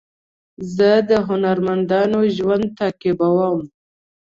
زه د هنرمندانو ژوند تعقیبوم.